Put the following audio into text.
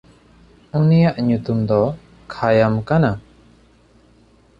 ᱩᱱᱤᱭᱟᱜ ᱧᱩᱛᱩᱢ ᱫᱚ ᱠᱷᱟᱭᱟᱢ ᱠᱟᱱᱟ᱾